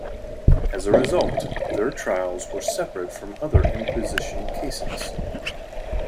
As a result their trials were separate from other inquisition cases.